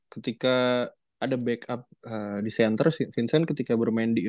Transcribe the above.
ketika ada backup di center vincent ketika bermain di e empat tuh